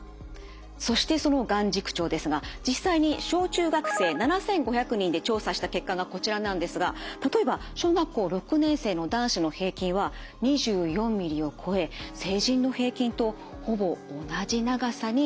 そしてその眼軸長ですが実際に小中学生７，５００人で調査した結果がこちらなんですが例えば小学校６年生の男子の平均は２４ミリを超え成人の平均とほぼ同じ長さになっていました。